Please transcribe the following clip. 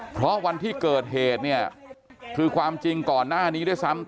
เพราะวันที่เกิดเหตุเนี่ยคือความจริงก่อนหน้านี้ด้วยซ้ำ